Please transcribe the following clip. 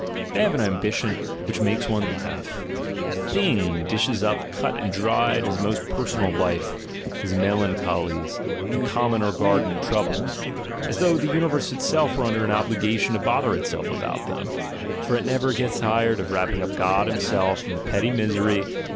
They have an ambition which makes one laugh: the thing dishes up cut and dried his most personal life, his melancholies, and common or garden troubles, as though the Universe itself were under an obligation to bother itself about them, for it never gets tired of wrap ping up God Himself in the petty misery in which its * "Here I stand!